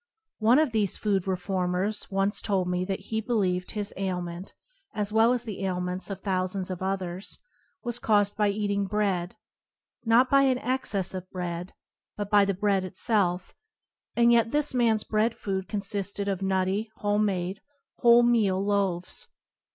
One of these food reformers once told me that he believed his ailment (as well as [ 35 ] the ailments of thousands of others) was caused by eating bread; not by an excess of bread, but by the bread itself; and yet this man's bread food consisted of nutty, home made, wholemeal loaves.